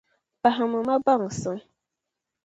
Pahimi ma baŋsim